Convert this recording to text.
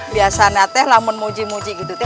biasanya nyai mau mengucapkan terima kasih nyai